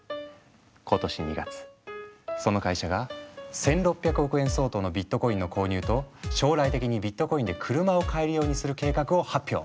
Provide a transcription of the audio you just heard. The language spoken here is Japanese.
今年２月その会社が１，６００億円相当のビットコインの購入と将来的にビットコインで車を買えるようにする計画を発表。